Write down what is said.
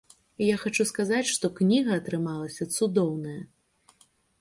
Я хачу сказаць, што кніга атрымалася цудоўная.